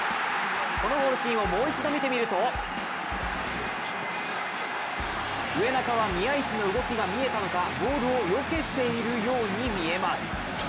このゴールシーンをもう一度見てみると植中は宮市の動きが見えたのかボールをよけているように見えます。